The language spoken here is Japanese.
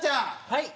はい。